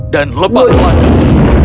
dan lepas landas